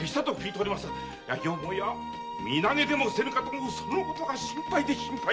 よもや身投げでもせぬかとそのことが心配で心配で！